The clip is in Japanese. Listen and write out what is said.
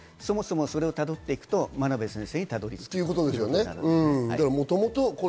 そもそもそれをたどっていくと真鍋先生にたどり着くということになるわけですね。